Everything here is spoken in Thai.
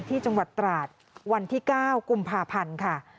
ที่จังหวัดตราดวันที่๙กุมภาพันธ์ค่ะ